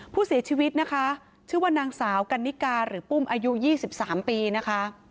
ผู้เสียชีวิตนะคะชื่อว่านางสาวกันนิกาหรือปุ้มอายุ๒๓ปีนะคะ